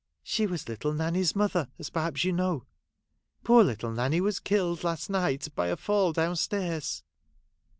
' She was little Nanny's mother, as perhaps you know. Poor little Nanny was killed last night by a fall down stairs.'